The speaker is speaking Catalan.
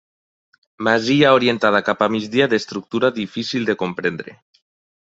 Masia orientada cap a migdia d'estructura difícil de comprendre.